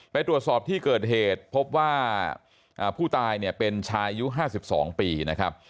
ไปตรวจสอบที่เกิดเหตุพบว่าผู้ตายเนี่ยเป็นชายอายุ๕๒ปีนะครับ